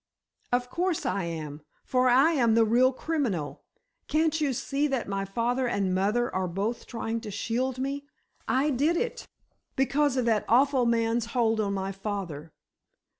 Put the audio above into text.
"Of course I am! For I am the real criminal! Can't you see that my father and mother are both trying to shield me? I did it, because of that awful man's hold on my father!